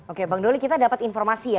oke bang doli kita dapat informasi ya